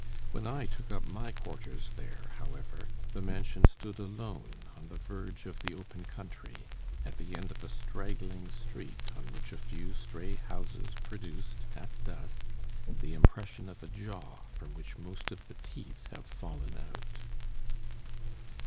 When I took up my quarters there, however, the mansion stood alone on the verge of the open country, at the end of a straggling street on which a few stray houses produced at dusk the impression of a jaw from which most of the teeth have fallen out.